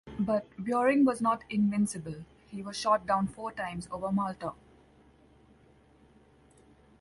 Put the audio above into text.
But Beurling was not invincible; he was shot down four times over Malta.